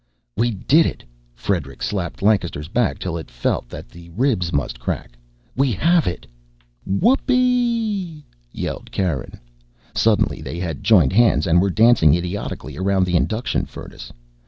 "We did it!" Friedrichs slapped Lancaster's back till it felt that the ribs must crack. "We have it!" "Whooppee!" yelled Karen. Suddenly they had joined hands and were dancing idiotically around the induction furnace.